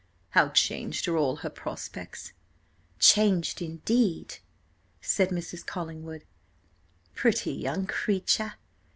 How changed are all her prospects!" "Changed indeed!" said Mrs. Collingwood, "pretty young creature!